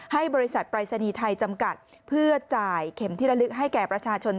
ให้บริษัทปรายศนีย์ไทยจำกัดเพื่อจ่ายเข็มที่ระลึกให้แก่ประชาชน